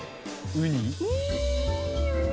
ウニ！